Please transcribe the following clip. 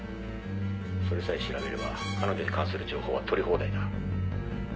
「それさえ調べれば彼女に関する情報は取り放題だ」